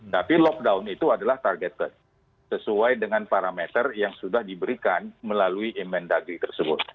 tapi lockdown itu adalah target sesuai dengan parameter yang sudah diberikan melalui emen dagri tersebut